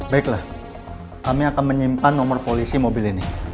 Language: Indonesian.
baiklah kami akan menyimpan nomor polisi mobil ini